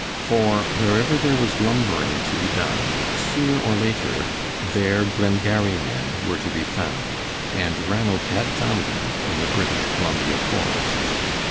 For wherever there was lumbering to be done, sooner or later there Glengarry men were to be found, and Ranald had found them in the British Columbia forests.